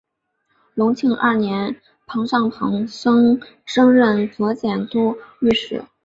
隆庆二年庞尚鹏升任右佥都御史。